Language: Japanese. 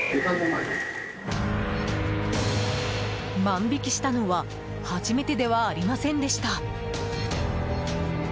万引きしたのは初めてではありませんでした。